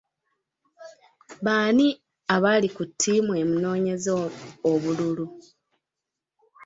Baani abali ku tiimu emunoonyeza obululu?